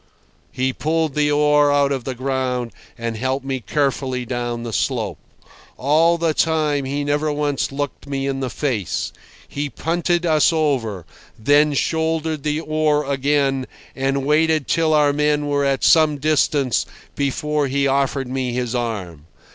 He pulled the oar out of the ground and helped me carefully down the slope. All the time he never once looked me in the face. He punted us over, then shouldered the oar again and waited till our men were at some distance before he offered me his arm.